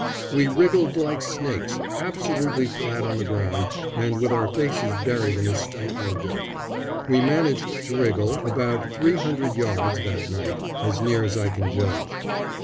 We wriggled like snakes, absolutely flat on the ground and with our faces buried in the stifling dirt. We managed to wriggle about three hundred yards that night as near as I can judge.